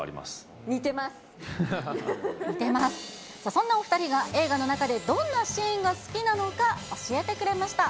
そんなお２人が映画の中でどんなシーンが好きなのか教えてくれました。